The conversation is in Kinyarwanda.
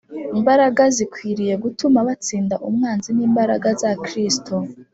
imbaraga zikwiriye gutuma batsinda umwanzi ni imbaraga za kristo